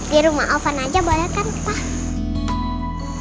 di rumah afan aja boleh kan pak